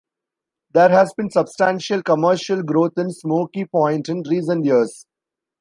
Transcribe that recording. There has been substantial commercial growth in Smokey Point in recent years.